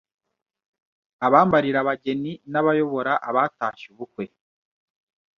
abambarira abageni, n’abayobora abatashye ubukwe,